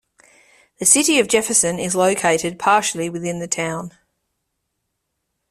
The city of Jefferson is located partially within the town.